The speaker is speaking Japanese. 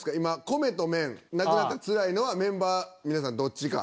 米と麺なくなったらツラいのはメンバー皆さんどっちか。